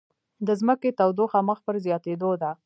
د ځمکې تودوخه مخ په زیاتیدو ده